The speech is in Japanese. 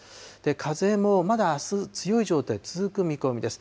風もまだあす強い状態続く見込みです。